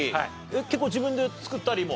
結構自分で作ったりも？